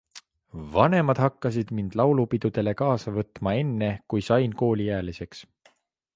Vanemad hakkasid mind laulupidudele kaasa võtma enne, kui sain kooliealiseks.